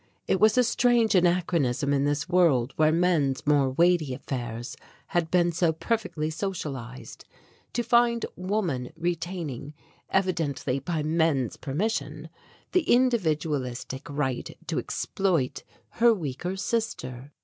It was a strange anachronism in this world where men's more weighty affairs had been so perfectly socialized, to find woman retaining, evidently by men's permission, the individualistic right to exploit her weaker sister.